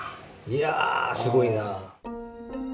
いやすごいな！